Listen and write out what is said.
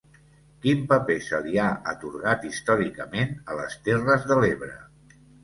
Quin paper se li ha atorgat històricament a les Terres de l'Ebre?